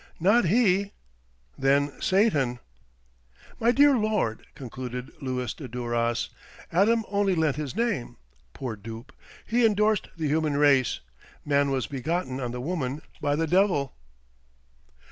"Not he." "Then Satan." "My dear lord," concluded Lewis de Duras, "Adam only lent his name. Poor dupe! He endorsed the human race. Man was begotten on the woman by the devil."